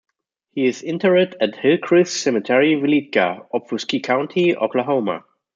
He is interred at Hillcrest Cemetery Weleetka, Okfuskee County, Oklahoma.